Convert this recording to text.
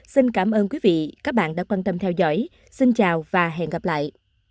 xin cảm ơn quý vị đã quan tâm theo dõi xin chào và hẹn gặp lại